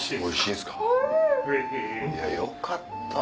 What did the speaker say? いやよかった。